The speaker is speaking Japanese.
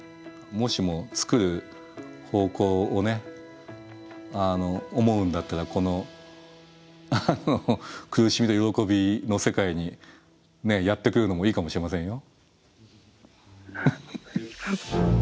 もしも作る方向を思うんだったらこの苦しみと喜びの世界にやって来るのもいいかもしれませんよ。